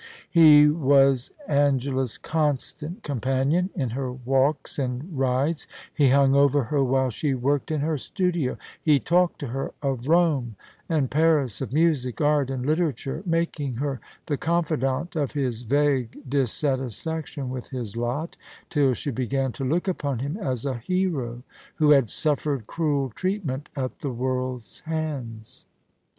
He was Angela's constant companion in her walks and rides : he hung over her while she worked in her studio ; he talked to her of Rome and Paris, of music, art, and literature, making her the confldante of his vague dissatisfaction with his lot, till she began to look upon him as a hero who had suffered cruel treatment at the world's hands.